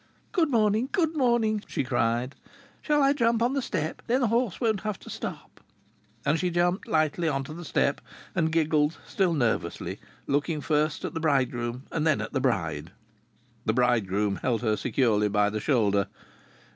"Good morning, good morning," she cried. "Shall I jump on the step? Then the horse won't have to stop." And she jumped lightly on to the step and giggled, still nervously, looking first at the bridegroom and then at the bride. The bridegroom held her securely by the shoulder.